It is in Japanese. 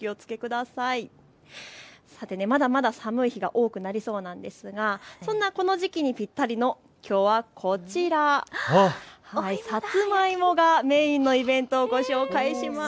さて、まだまだ寒い日が多くなりそうなんですがそんなこの時期にぴったりのきょうはこちら、さつまいもがメインのイベントをご紹介します。